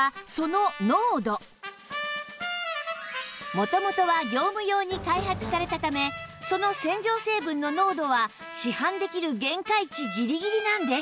元々は業務用に開発されたためその洗浄成分の濃度は市販できる限界値ギリギリなんです